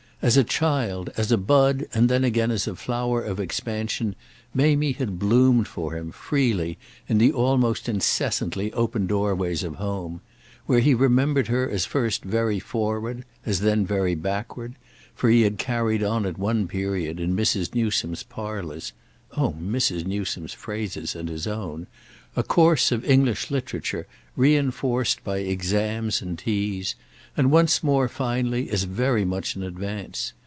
As a child, as a "bud," and then again as a flower of expansion, Mamie had bloomed for him, freely, in the almost incessantly open doorways of home; where he remembered her as first very forward, as then very backward—for he had carried on at one period, in Mrs. Newsome's parlours (oh Mrs. Newsome's phases and his own!) a course of English Literature re enforced by exams and teas—and once more, finally, as very much in advance.